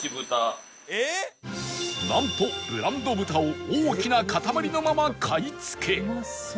なんとブランド豚を大きな塊のまま買い付け